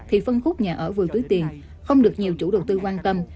thì phân khúc nhà ở vừa túi tiền không được nhiều chủ đầu tư quan tâm